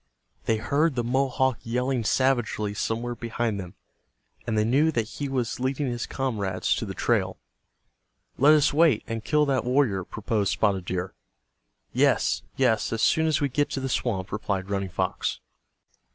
They heard the Mohawk yelling savagely somewhere behind them, and they knew that he was leading his comrades to the trail. "Let us wait, and kill that warrior," proposed Spotted Deer. "Yes, yes, as soon as we get to the swamp," replied Running Fox.